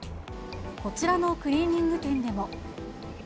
こちらのクリーニング店でも。